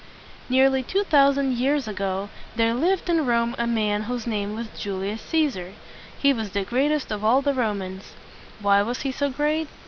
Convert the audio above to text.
Nearly two thousand years ago there lived in Rome a man whose name was Julius Cæ´sar. He was the greatest of all the Romans. Why was he so great?